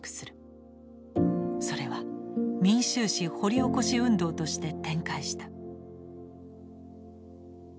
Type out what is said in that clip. それは「民衆史掘り起こし運動」として展開した。